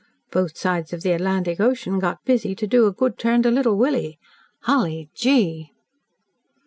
Both sides of the Atlantic Ocean got busy to do a good turn to Little Willie. Hully gee!"